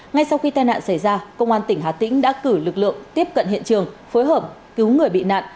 ngay sau khi tai nạn xảy ra công an tỉnh hà tĩnh đã cử lực lượng tiếp cận hiện trường phối hợp cứu người bị nạn